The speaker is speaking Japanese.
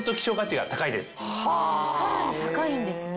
さらに高いんですね